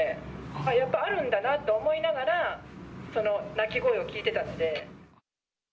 やっぱあるんだなと思いながら、その泣き声を聞いてたんで。